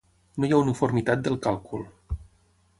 No hi ha uniformitat del càlcul.